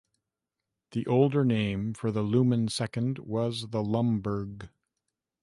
An older name for the lumen second was the lumberg.